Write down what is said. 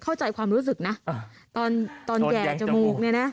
เข้าใจความรู้สึกนะตอนแห่จมูกเนี่ยนะ